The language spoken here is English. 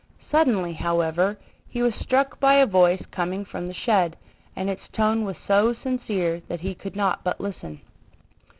Suddenly, however, he was struck by a voice coming from the shed, and its tone was so sincere that he could not but listen.